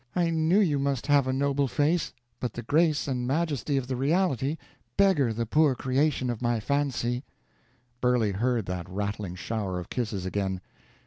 I knew you must have a noble face, but the grace and majesty of the reality beggar the poor creation of my fancy." Burley heard that rattling shower of kisses again.